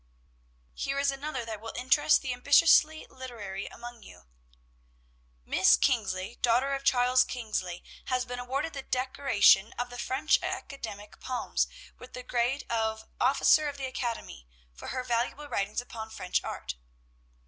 "Here is another that will interest the ambitiously literary among you: "'Miss Kingsley, daughter of Charles Kingsley, has been awarded the decoration of the French academic palms, with the grade of "officer of the academy," for her valuable writings upon French art.'